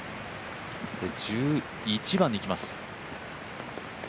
１１番にいきます。